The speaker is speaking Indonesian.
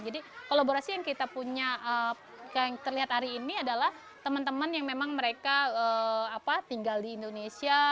jadi kolaborasi yang kita punya yang terlihat hari ini adalah teman teman yang memang mereka tinggal di indonesia